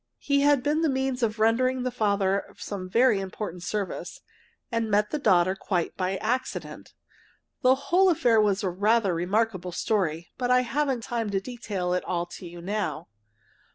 He had been the means of rendering the father some very important service, and met the daughter quite by accident. The whole affair was a rather remarkable story, but I haven't time to detail it all to you now.